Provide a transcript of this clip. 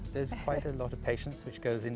mereka terlihat mudah dan elegan